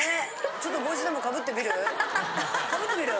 ちょっと帽子でもかぶってみる？